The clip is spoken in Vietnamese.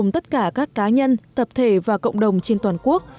nó gồm tất cả các cá nhân tập thể và cộng đồng trên toàn quốc